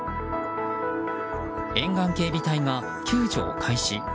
沿岸警備隊が救助を開始。